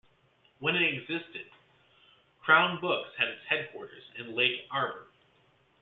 When it existed, Crown Books had its headquarters in Lake Arbor.